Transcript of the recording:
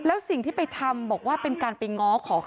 แล้วสิ่งที่ไปทำบอกว่าเป็นการไปง้อขอ